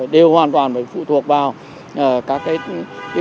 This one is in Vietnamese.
đều hoàn toàn phải phụ thuộc vào các cái